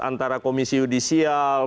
antara komisi judisial